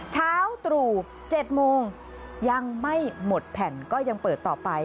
เช้าตรู่๗โมงยังไม่หมดแผ่นก็ยังเปิดต่อไป